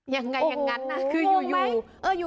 อย่างไรยังงั้นน่ะงงไหม